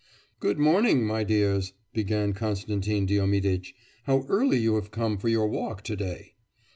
'Good morning, my dears,' began Konstantin Diomiditch, 'how early you have come for your walk to day!